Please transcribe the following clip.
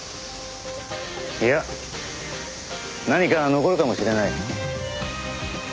いや何か残るかもしれない。